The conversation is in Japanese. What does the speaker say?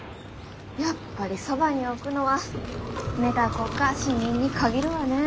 やっぱりそばに置くのは寝た子か死人に限るわね。